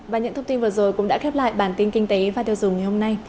và những thông tin vừa rồi cũng đã khép lại bản tin kinh tế và tiêu dùng ngày hôm nay